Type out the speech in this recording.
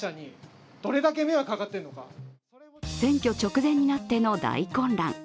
選挙直前になっての大混乱。